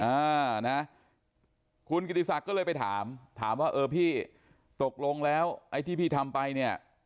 อ่านะคุณกิติศักดิ์ก็เลยไปถามถามว่าเออพี่ตกลงแล้วไอ้ที่พี่ทำไปเนี่ย